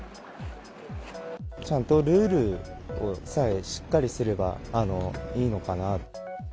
ちゃんとルールさえしっかりすればいいのかなと。